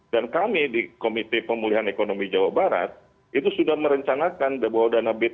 dan kami di komite pemulihan ekonomi jawa barat itu sudah merencanakan bahwa dana btt itu dialihkan kepada dana tangkap darurat